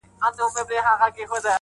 د وخت د ځينو سياسي کسانو کورونه هم وه.